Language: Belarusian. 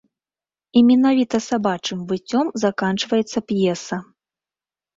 І менавіта сабачым выццём заканчваецца п'еса.